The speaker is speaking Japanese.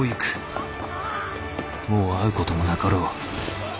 もう会うこともなかろう。